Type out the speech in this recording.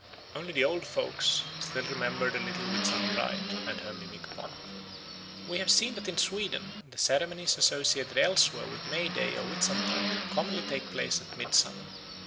Only the old folks still remember the little Whitsun bride and her mimic pomp. We have seen that in Sweden the ceremonies associated elsewhere with May Day or Whitsuntide commonly take place at Midsummer.